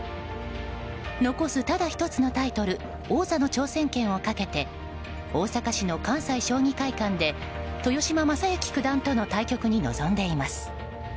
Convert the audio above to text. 残す、ただ１つのタイトル王座の挑戦権をかけて大阪市の関西将棋会館で豊島将之九段との対局に臨んでいます。